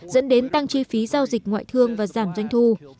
dẫn đến tăng chi phí giao dịch ngoại thương và giảm doanh thu